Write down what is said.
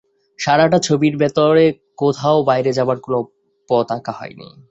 সারাটা ছবির ভেতরে কোথাও বাইরে যাবার কোনো পথ আঁকা হয়নি।